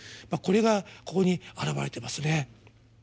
これがここに表れてますね。